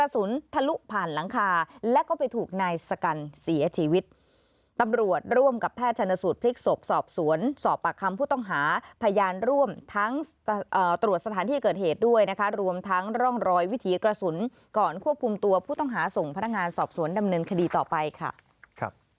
เสียชีวิตตำรวจร่วมกับแพทย์ชนสูตรพลิกศพสอบสวนสอบปากคำผู้ต้องหาพยานร่วมทั้งตรวจสถานที่เกิดเหตุด้วยนะคะรวมทั้งร่องรอยวิถีกระสุนก่อนควบคุมตัวผู้ต้องหาส่งพนักงานสอบสวนดำเนินคดีต่อไปค่ะครับ